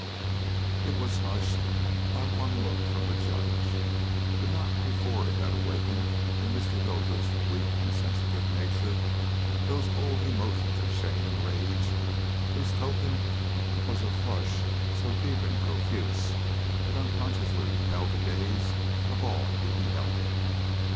It was hushed by one look from the Judge, but not before it had awakened in Mr. Hildreth's weak and sensitive nature those old emotions of shame and rage whose token was a flush so deep and profuse it unconsciously repelled the gaze of all who beheld it.